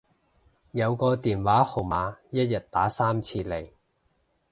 有個電話號碼一日打三次嚟